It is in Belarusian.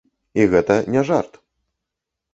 І гэта не жарт.